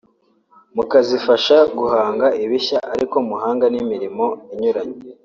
mukazifasha guhanga ibishya ari ko muhanga n’imirimo inyuranye